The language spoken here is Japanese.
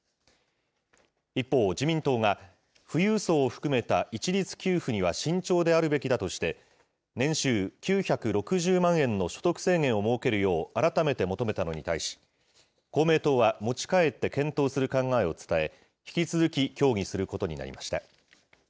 一方、自民党が富裕層を含めた一律給付には慎重であるべきだとして、年収９６０万円の所得制限を設けるよう改めて求めたのに対し、公明党は持ち帰って検討する考えを伝え、引き続き、協議することになりました。